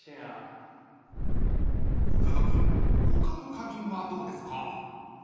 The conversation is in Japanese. ［コカド君他の花瓶はどうですか？］